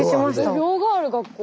土俵がある学校？